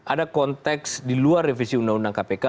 ada konteks di luar revisi undang undang kpk